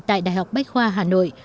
tại đại học bách khoa hà nội